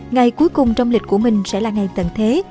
ngày cuối cùng trong lịch của mình sẽ là ngày tận thế